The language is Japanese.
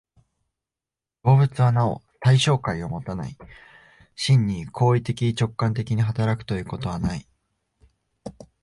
動物はなお対象界をもたない、真に行為的直観的に働くということはない。